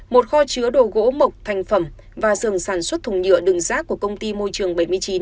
một kho chứa đồ gỗ mộc thành phẩm và sườn sản xuất thùng nhựa đường rác của công ty môi trường bảy mươi chín